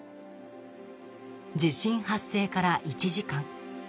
地震発生から１時間。